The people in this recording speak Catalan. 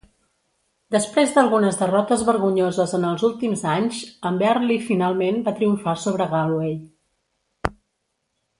Després d'algunes derrotes vergonyoses en els últims anys, amb Earley finalment va triomfar sobre Galway.